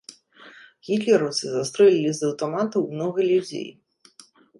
Гітлераўцы застрэлілі з аўтаматаў многа людзей.